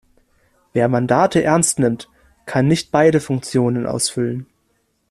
Wer Mandate ernst nimmt, kann nicht beide Funktionen ausfüllen.